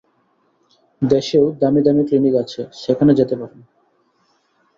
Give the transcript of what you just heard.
দেশেও দামি দামি ক্লিনিক আছে সেখানে যেতে পারেন।